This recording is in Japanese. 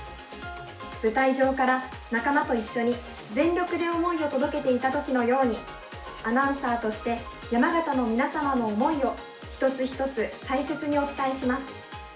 舞台上から仲間と一緒に全力で思いを届けていたときのようにアナウンサーとして山形の皆様の思いを一つ一つ大切にお伝えします。